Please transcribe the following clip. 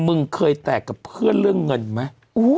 มึงเคยแตกกับเพื่อนเรื่องเงินไหม